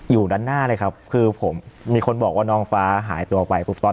อยู่ด้านหน้าเลยครับคือมีคนบอกว่านองฟ้าหายตัวไป